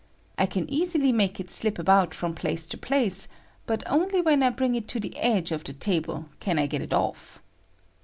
I can easily make it slip about from place to place, but only when I bring it to the edge of the ta ble can I get it off.